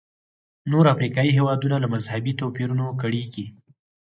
نور افریقایي هېوادونه له مذهبي توپیرونو کړېږي.